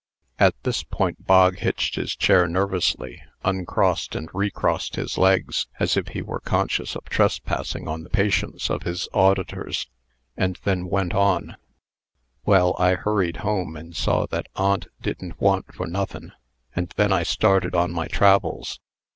At this point Bog hitched his chair nervously, uncrossed and recrossed his legs, as if he were conscious of trespassing on the patience of his auditors, and then went on: "Well, I hurried home, and saw that aunt didn't want for nothin', and then I started on my travels.